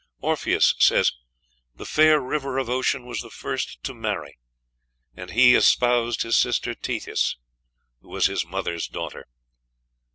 Orpheus says, "The fair river of Ocean was the first to marry, and he espoused his sister Tethys, who was his mothers daughter."